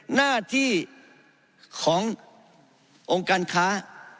หน้าที่ขององค์การค้า